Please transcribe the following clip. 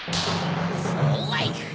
そうはいくか！